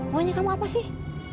mauannya kamu apa sih